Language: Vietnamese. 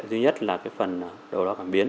duy nhất là phần đầu đo cảm biến